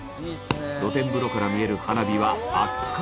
露天風呂から見える花火は圧巻！